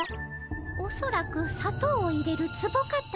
おそらくさとうを入れるツボかと。